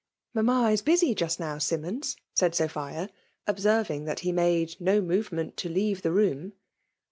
^ Mamma is busy just now, Simmons/' said Sophia, observing that he made no movement to leave the room.